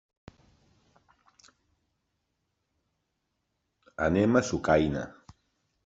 Anem a Sucaina.